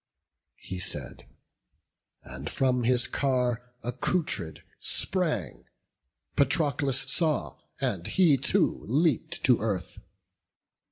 He said, and from his car, accoutred, sprang; Patroclus saw, and he too leap'd to earth.